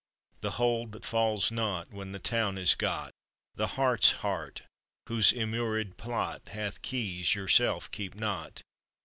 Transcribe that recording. The hold that falls not when the town is got, The heart's heart, whose immurèd plot Hath keys yourself keep not!